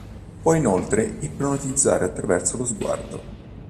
Può inoltre ipnotizzare attraverso lo sguardo.